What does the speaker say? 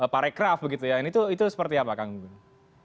parecraft gitu ya itu seperti apa kang gunggun